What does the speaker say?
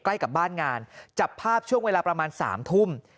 ใกล้กับบ้านงานจับภาพช่วงเวลาประมาณ๓ทุ่ม